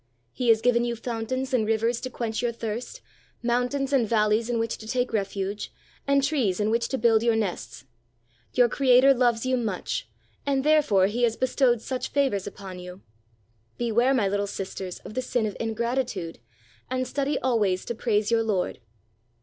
He has given you fountains and rivers to quench your thirst, moun tains and valleys in which to take refuge, and trees in which to build your nests. Your Creator loves you IS ITALY much, and therefore he has bestowed such favors upon you. Beware, my Httle sisters, of the sin of ingratitude, and study always to praise your Lord."